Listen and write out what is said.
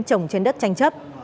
trồng trên đất tranh chấp